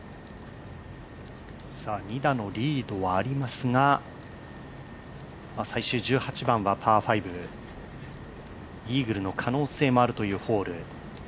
２打のリードはありますが、最終１８番はパー５、イーグルの可能性もあるというホール。